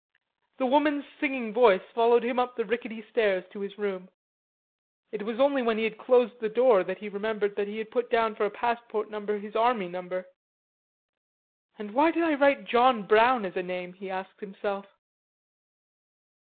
The woman's singing voice followed him up the rickety stairs to his room. It was only when he had closed the door that he remembered that he had put down for a passport number his army number. "And why did I write John Brown as a name?" he asked himself.